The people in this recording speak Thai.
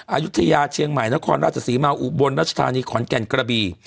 อายุทยาเชียงใหม่นครราชศรีมาอุบลรัชธานีขอนแก่นกระบี